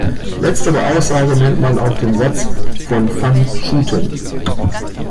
Letztere Aussage nennt man auch den Satz von van Schooten.